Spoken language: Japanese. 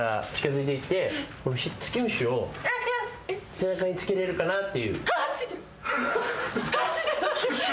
背中につけられるかなって。